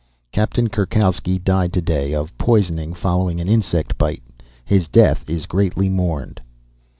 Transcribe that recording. _Captain Kurkowski died today, of poisoning following an insect bite. His death is greatly mourned.